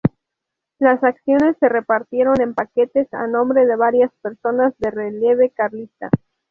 Las acciones se repartieron en paquetes a nombre de varias personas de relieve carlista.